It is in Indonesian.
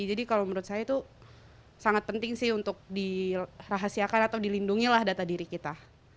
jadi kalau menurut saya itu sangat penting sih untuk dirahasiakan atau dilindungi lah data diri kita